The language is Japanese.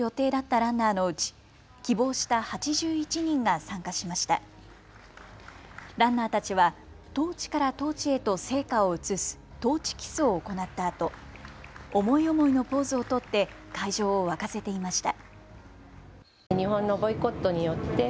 ランナーたちはトーチからトーチへと聖火を移すトーチキスを行ったあと、思い思いのポーズを取って会場を沸かせていました。